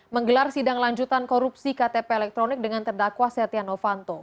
menggelar sidang lanjutan korupsi ktp elektronik dengan terdakwa setia novanto